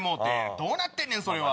どうなってんねんそれは。